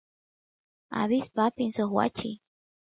abispa apin suk wachi